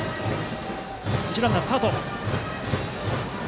一塁ランナー、スタート。